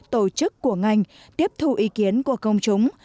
tổ chức của ngành tiếp thu ý kiến của công chúng